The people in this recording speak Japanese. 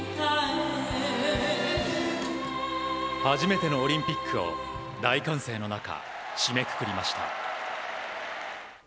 初めてのオリンピックを大歓声の中、締めくくりました。